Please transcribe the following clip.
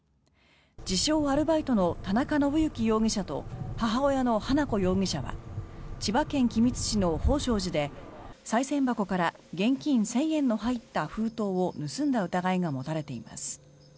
自称・アルバイトの田中信幸容疑者と母親の花子容疑者は千葉県君津市の宝性寺でさい銭箱から現金１０００円の入った封筒を盗んだ疑いが持たれています。